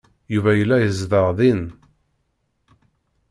Yuba yella yezdeɣ din.